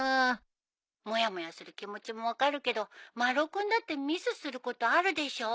☎もやもやする気持ちも分かるけど丸尾君だってミスすることあるでしょう？